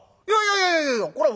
いやいやこりゃ